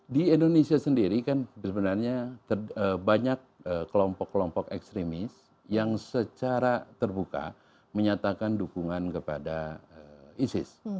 di indonesia sendiri kan sebenarnya banyak kelompok kelompok ekstremis yang secara terbuka menyatakan dukungan kepada isis